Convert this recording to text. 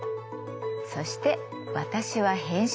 そして私は編集長。